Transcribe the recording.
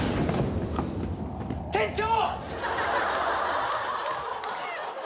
店長！